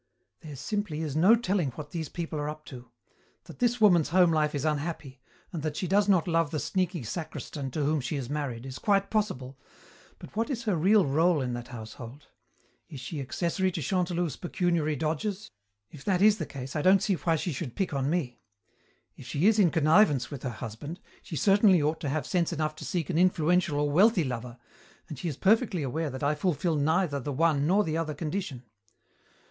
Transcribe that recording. "There simply is no telling what these people are up to. That this woman's home life is unhappy, and that she does not love the sneaky sacristan to whom she is married, is quite possible, but what is her real rôle in that household? Is she accessory to Chantelouve's pecuniary dodges? If that is the case I don't see why she should pick on me. If she is in connivance with her husband, she certainly ought to have sense enough to seek an influential or wealthy lover, and she is perfectly aware that I fulfil neither the one nor the other condition.